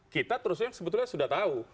kita terusnya sebetulnya sudah tahu